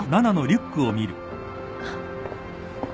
あっ。